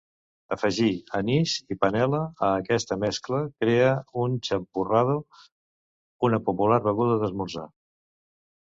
Afegir "anís" i "panela" a aquesta mescla crea el "champurrado", una popular beguda d'esmorzar.